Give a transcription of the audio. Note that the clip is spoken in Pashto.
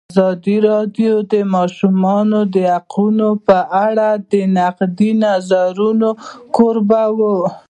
ازادي راډیو د د ماشومانو حقونه په اړه د نقدي نظرونو کوربه وه.